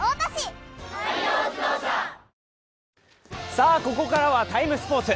さあ、ここからは「ＴＩＭＥ，」スポーツ。